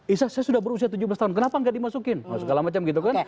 isak saya sudah berusia tujuh belas tahun kenapa nggak dimasukin segala macam gitu kan